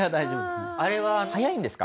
あれは速いんですか？